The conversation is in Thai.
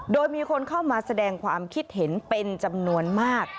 โดยมีคนเข้ามาแสดงความคิดเห็นเป็นจำนวนมาก